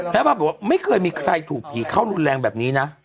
แม่บ้านบอกว่าไม่เคยมีใครถูกผีเข้ารุนแรงแบบนี้นะ